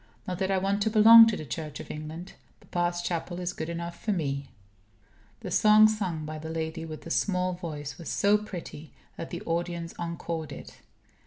Not that I want to belong to the Church of England. Papa's chapel is good enough for me. The song sung by the lady with the small voice was so pretty that the audience encored it.